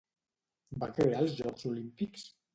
Va crear els Jocs Olímpics?